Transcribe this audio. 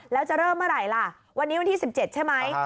แล้วจะเริ่มเมื่อไหร่ล่ะวันนี้วันที่๑๗ใช่ไหม